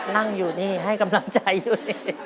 นั่งอยู่นี่ให้กำลังใจอยู่